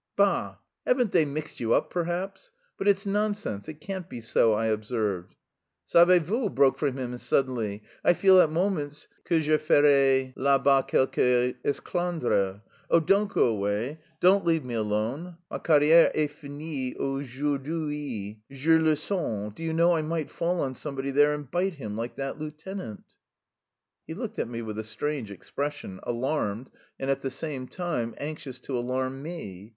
"Bah! haven't they mixed you up perhaps?... But it's nonsense, it can't be so," I observed. "Savez vous," broke from him suddenly, "I feel at moments que je ferai là bas quelque esclandre. Oh, don't go away, don't leave me alone! Ma carrière est finie aujourd'hui, je le sens. Do you know, I might fall on somebody there and bite him, like that lieutenant." He looked at me with a strange expression alarmed, and at the same time anxious to alarm me.